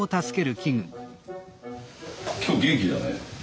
今日元気だね。